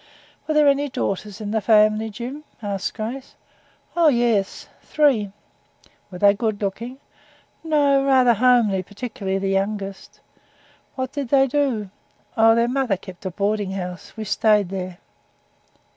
'Were there any daughters in the family, Jim?' asked Grace. 'Oh! yes, three.' 'Were they good looking?' 'No, rather homely, particularly the youngest.' 'What did they do?' 'Oh! their mother kept a boarding house. We stayed there.'